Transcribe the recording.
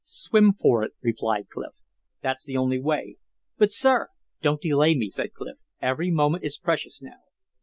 "Swim for it," replied Clif. "That's the only way." "But, sir " "Don't delay me," said Clif. "Every moment is precious now."